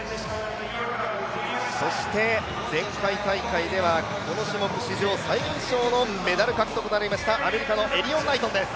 そして前回大会では、この種目史上最年少のメダル獲得となりました、アメリカのエリヨン・ナイトンです